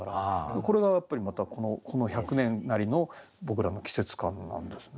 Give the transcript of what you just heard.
これがやっぱりこの１００年なりの僕らの季節感なんですね。